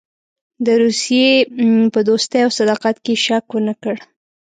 د روسیې په دوستۍ او صداقت کې یې شک ونه کړ.